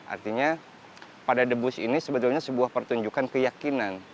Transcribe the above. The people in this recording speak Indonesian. artinya pada debus ini sebetulnya sebuah pertunjukan keyakinan